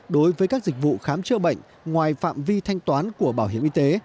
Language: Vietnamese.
đối với các dịch vụ khám chữa bệnh ngoài phạm vi thanh toán của bảo hiểm y tế